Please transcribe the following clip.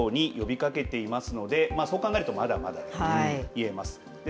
各党に呼びかけていますのでそう考えるとまだまだと言えます。